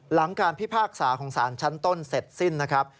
หลังการพิพากษาของสารชั้นต้นเสร็จสิ้นนะครับ